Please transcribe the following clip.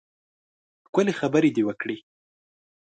ښکلې خبرې دې وکړې.